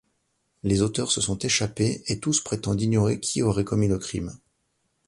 Les auteurs se sont échappés et tous prétendent ignorer qui aurait commis le crime.